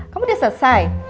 kamu udah selesai